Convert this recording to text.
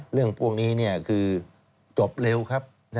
เรื่องพวกนี้คือจบเร็วครับ